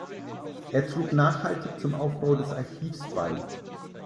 Er trug nachhaltig zum Aufbau des Archivs bei.